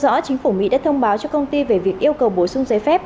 trong đó chính phủ mỹ đã thông báo cho công ty về việc yêu cầu bổ sung giấy phép